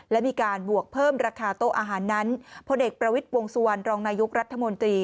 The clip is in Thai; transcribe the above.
และมีการบวกเพิ่มราคาโต๊ะอาหารนั้นพลเอกประวิทย์วงสุวรรณรองนายกรัฐมนตรี